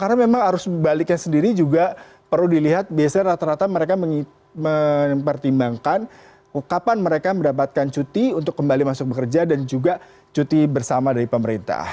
karena memang arus baliknya sendiri juga perlu dilihat biasanya rata rata mereka mempertimbangkan kapan mereka mendapatkan cuti untuk kembali masuk bekerja dan juga cuti bersama dari pemerintah